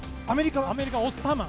アメリカはオスターマン